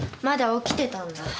まだ起きてたんだ。